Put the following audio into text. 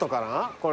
これ。